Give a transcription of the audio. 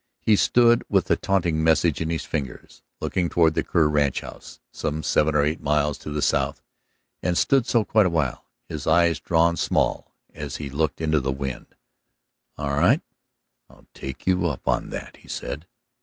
He stood with the taunting message in his fingers, looking toward the Kerr ranchhouse, some seven or eight miles to the south, and stood so quite a while, his eyes drawn small as if he looked into the wind. "All right; I'll take you up on that," he said.